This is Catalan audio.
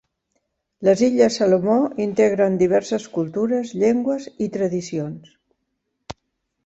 Les illes Salomó integren diverses cultures, llengües i tradicions.